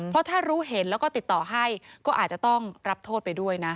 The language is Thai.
เพราะถ้ารู้เห็นแล้วก็ติดต่อให้ก็อาจจะต้องรับโทษไปด้วยนะ